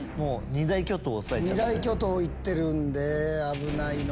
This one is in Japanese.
二大巨頭行ってるんで危ない。